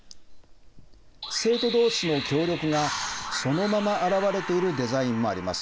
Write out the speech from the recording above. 生徒どうしの協力がそのまま表れているデザインもあります。